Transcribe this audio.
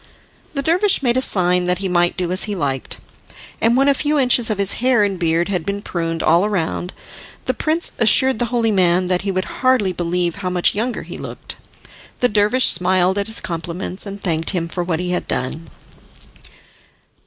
The dervish made a sign that he might do as he liked, and when a few inches of his hair and beard had been pruned all round the prince assured the holy man that he would hardly believe how much younger he looked. The dervish smiled at his compliments, and thanked him for what he had done.